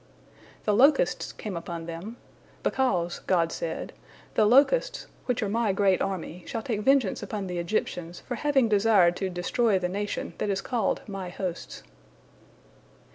The locusts came upon them, "because," God said, "the locusts, which are My great army, shall take vengeance upon the Egyptians for having desired to destroy the nation that is called My hosts."